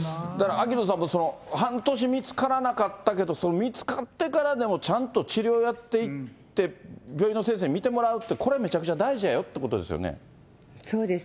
秋野さんも半年見つからなかったけど、その見つかってからでも、ちゃんと治療やっていって、病院の先生に診てもらうって、これ、めちゃくちゃ大事だよってこそうです。